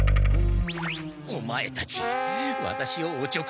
オマエたちワタシをおちょくっているのか？